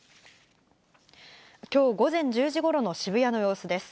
きょう午前１０時ごろの渋谷の様子です。